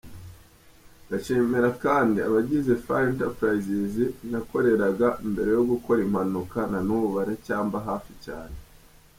Ndashimira kandi abagize Far enterprises nakoreraga mbere yo gukora impanuka, nanubu baracyamba hafi cyane.